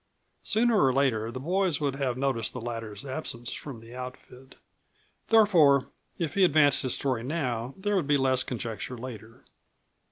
Sooner or later the boys would have noticed the latter's absence from the outfit. Therefore if he advanced his story now there would be less conjecture later.